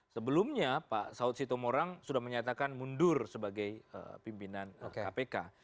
sebelumnya pak saud sitomorang sudah menyatakan mundur sebagai pimpinan kpk